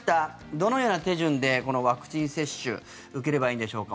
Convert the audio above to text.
どのような手順でこのワクチン接種受ければいいんでしょうか。